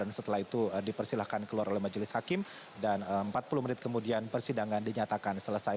setelah itu dipersilahkan keluar oleh majelis hakim dan empat puluh menit kemudian persidangan dinyatakan selesai